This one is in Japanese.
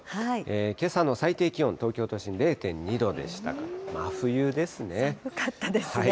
けさの最低気温、東京都心０．２度でしたから、真冬ですね。